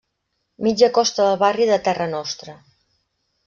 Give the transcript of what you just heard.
Mitja Costa del barri de Terra Nostra.